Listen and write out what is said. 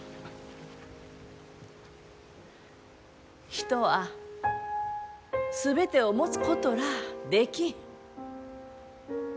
人は全てを持つことらあできん。